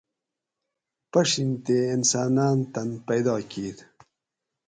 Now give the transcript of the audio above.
پڄھین تے انساناۤن تن پیدا کیت